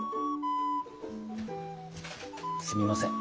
すみません。